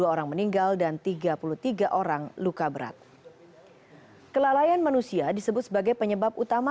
tiga puluh dua orang meninggal dan tiga puluh tiga orang luka